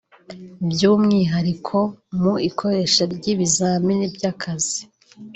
by’umwihariko mu ikoreshwa ry’ibizamini by’akazi